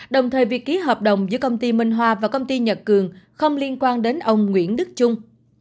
đồng thời việc ký hợp đồng giữa công ty minh hoa và công ty nhật cường không liên quan đến ông nguyễn đức trung